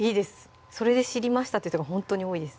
「それで知りました」って人がほんとに多いです